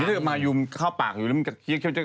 อ๋ออย่างนี้มายูเข้าปากอยู่แล้วมันเคี้ยว